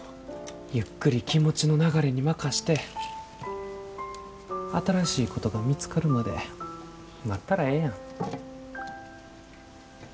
ゆっくり気持ちの流れに任して新しいことが見つかるまで待ったらええやん。